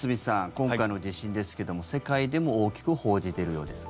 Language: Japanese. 今回の地震ですけども世界でも大きく報じているようですが。